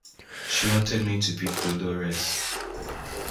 She wanted me to be Dolores.